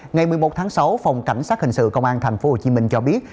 ngày một mươi một tháng sáu phòng cảnh sát hình sự công an tp hcm cho biết